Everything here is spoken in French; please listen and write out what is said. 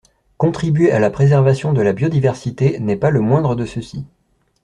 Contribuer à la préservation de la biodiversité n’est pas le moindre de ceux-ci.